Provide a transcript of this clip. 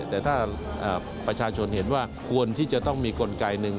แต่ถ้าประชาชนเห็นว่าควรที่จะต้องมีกลไกหนึ่ง